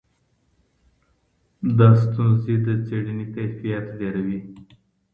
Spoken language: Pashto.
دا ستونزي د څېړني کیفیت ډېر ټیټوي.